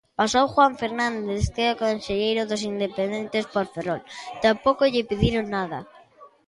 Pasou Juan Fernández que é concelleiro dos Independentes por Ferrol, tampouco lle pediron nada.